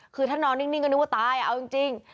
คือถ้านอนนิ่งก็นึกว่าตายเอาจริง